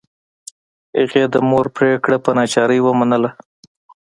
هغې د مور پریکړه په ناچارۍ ومنله